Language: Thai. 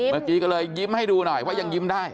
เมื่อกี้ก็เลยยิ้มให้ดูหน่อยว่ายังยิ้มได้